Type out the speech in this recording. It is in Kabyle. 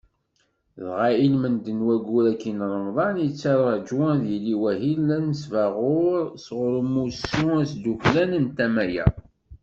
Dɣa ilmend n waggur-agi n Remḍan, yetturaǧu ad yili wahil d anesbaɣur sɣur umussu asdukklan n tama-a.